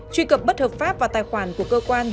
truy cập bất hợp pháp vào tài khoản của cơ quan